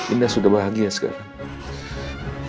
indah sudah bahagia sekarang